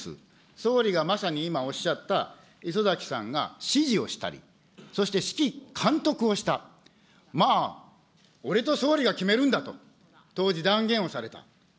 総理がまさに今おっしゃった礒崎さんが指示をしたり、そして指揮監督をした、まあ、俺と総理が決めるんだと、当時、断言をされた。